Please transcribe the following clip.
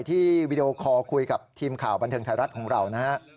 วีดีโอคอลคุยกับทีมข่าวบันเทิงไทยรัฐของเรานะฮะ